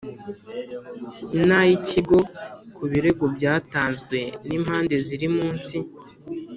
n ay Ikigo ku birego byatanzwe n impande ziri munsi